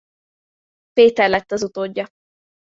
Péter lett az utódja.